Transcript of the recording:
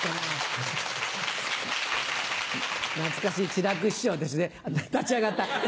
懐かしい痴楽師匠ですね立ち上がった。